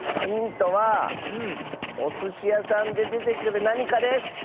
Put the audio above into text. ヒントはおすしやさんででてくるなにかです。